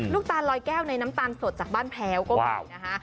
ตาลลอยแก้วในน้ำตาลสดจากบ้านแพ้วก็มีนะคะ